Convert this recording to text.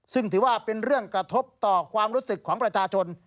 ซึ่งถือว่าเป็นเรื่องกระทบต่อความรู้สึกของประชาชน